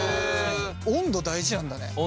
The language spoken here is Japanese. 温度大事なんだね。